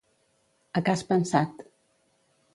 A cas pensat.